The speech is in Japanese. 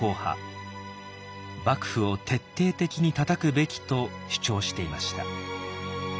幕府を徹底的にたたくべきと主張していました。